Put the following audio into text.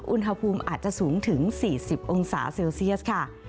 อุณหภูมิอาจจะสูงถึง๔๐องศาเซลเซียสค่ะ